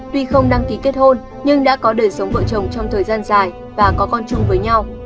tuy không đăng ký kết hôn nhưng đã có đời sống vợ chồng trong thời gian dài và có con chung với nhau